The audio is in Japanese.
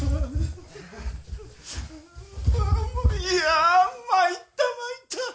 いや参った参った。